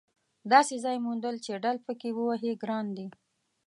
داسې ځای موندل چې ډهل پکې ووهې ګران دي.